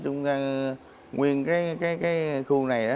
nguyên cái khu này